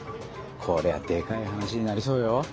こりゃでかい話になりそうよ。